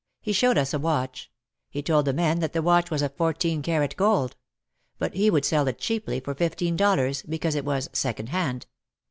He showed us a watch. He told the men that the watch was of fourteen karat gold. But he would sell it cheaply, for fifteen dollars, because it was "second hand."